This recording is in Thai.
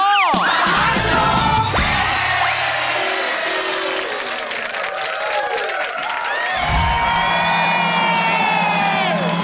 อรบจ้อ